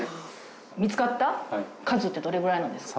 見つかった数ってどれぐらいなんですか？